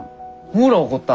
ほら怒った！